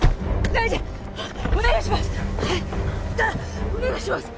大臣お願いします！